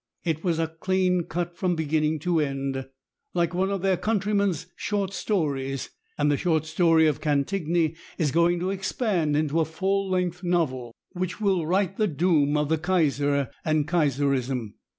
It was clean cut from beginning to end, like one of their countrymen's short stories, and the short story of Cantigny is going to expand into a full length novel, which will write the doom of the Kaiser and Kaiserism.